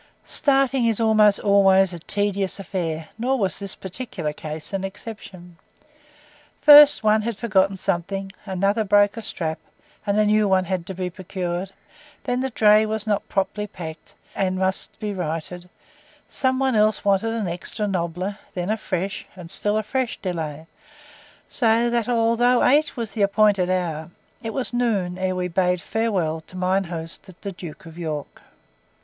Starting is almost always a tedious affair, nor was this particular case an exception. First one had forgotten something another broke a strap, and a new one had to be procured then the dray was not properly packed, and must be righted some one else wanted an extra "nobbler" then a fresh, and still a fresh delay, so that although eight was the appointed hour, it was noon ere we bade farewell to mine host of the "Duke of York."